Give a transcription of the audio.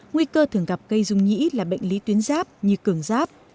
nguy cơ thường gặp gây rung nhĩ là bệnh lý tuyến giáp như cường giáp